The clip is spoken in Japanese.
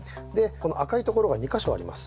この赤いところが２カ所あります